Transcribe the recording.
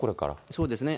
そうですね。